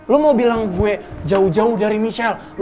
lo mau bilang gue jauh jauh dari michelle